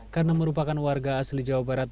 karena merupakan warga asli jawa barat